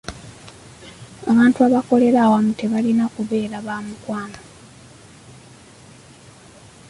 Abantu abakolera awamu tebalina kubeera ba mukwano.